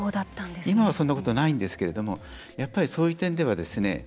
今は、そんなことないんですけどやっぱり、そういう点ではですね